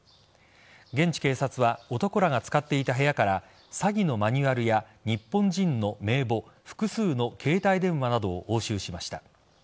現地警察は男らが使っていた部屋から詐欺のマニュアルや日本人の名簿複数の携帯電話などを押収しました。